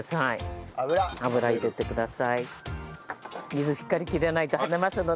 水しっかり切らないとはねますのでね。